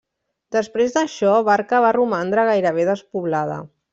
Després d'això Barca va romandre gairebé despoblada.